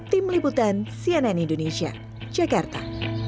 tim liputan cnn indonesia jakarta